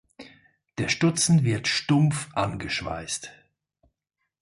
Der Stutzen wird stumpf angeschweißt.